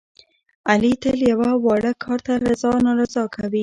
علي تل یوه واړه کار ته رضا نارضا کوي.